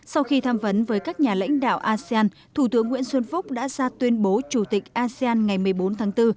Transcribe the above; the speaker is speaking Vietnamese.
sau khi tham vấn với các nhà lãnh đạo asean thủ tướng nguyễn xuân phúc đã ra tuyên bố chủ tịch asean ngày một mươi bốn tháng bốn